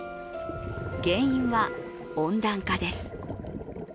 原因は温暖化です。